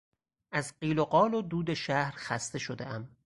از قیل و قال و دود شهر خسته شدهام.